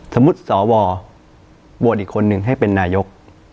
สมมติสอบวอลโบสถ์อีกคนนึงให้เป็นนายก